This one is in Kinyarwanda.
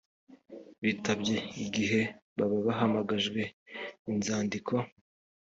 bitabye igihe baba bahamagajwe inzandiko